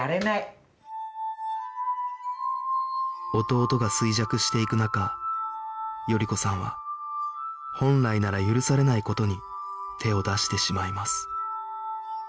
弟が衰弱していく中賀子さんは本来なら許されない事に手を出してしまいます